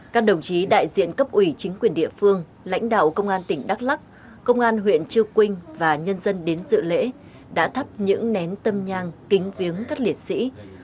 các đồng chí đại diện cấp ủy chính quyền địa phương lãnh đạo công an tỉnh đắk lắc công an huyện chư quynh và nhân dân đến dự lễ đã thắp những nén tâm nhang kính viếng các liệt sĩ